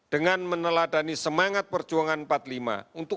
dengan meneladani semangat perjuangan patung